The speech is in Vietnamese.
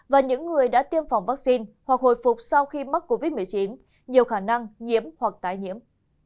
và những người đã tiêm phòng vaccine hoặc hồi phục sau khi mắc covid một mươi chín nhiều khả năng nhiễm hoặc tái nhiễm